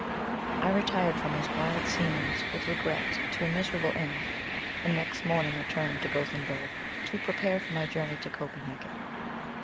I retired from these wild scenes with regret to a miserable inn, and next morning returned to Gothenburg, to prepare for my journey to Copenhagen.